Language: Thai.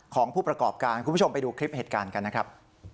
ของผู้ประกอบการคุณผู้ชมไปดูคลิปเหตุการณ์กันนะครับ